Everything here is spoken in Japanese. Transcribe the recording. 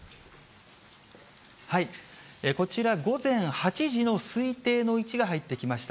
こちら、午前８時の推定の位置が入ってきました。